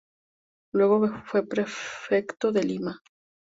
Luego fue prefecto de Lima.